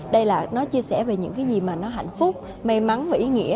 đây là nó chia sẻ về những cái gì mà nó hạnh phúc may mắn và ý nghĩa